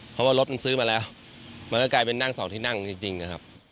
เพราะว่ารถมันซื้อมาแล้วมันก็กลายเป็นนั่งสองที่นั่งจริงนะครับ